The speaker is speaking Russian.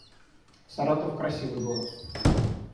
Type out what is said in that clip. Саратов — красивый город